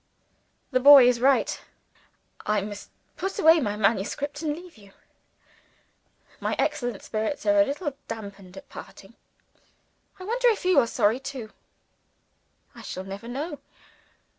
The boy is right. I must put away my manuscript and leave you. My excellent spirits are a little dashed at parting. I wonder whether you are sorry too? I shall never know!